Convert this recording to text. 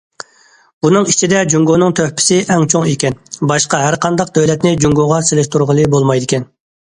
بۇنىڭ ئىچىدە جۇڭگونىڭ تۆھپىسى ئەڭ چوڭ ئىكەن، باشقا ھەر قانداق دۆلەتنى جۇڭگوغا سېلىشتۇرغىلى بولمايدىكەن.